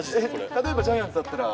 例えばジャイアンツだったら？